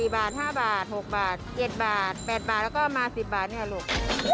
๔บาท๕บาท๖บาท๗บาท๘บาทแล้วก็มา๑๐บาทเนี่ยลูก